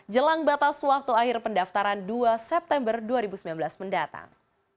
jelang batas waktu akhir pendaftaran dua september dua ribu sembilan belas mendatang